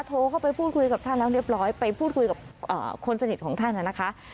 โทรเข้าไปพูดคุยกับท่านแล้วเรียบร้อยไปพูดคุยกับคนสนิทของท่านนะคะ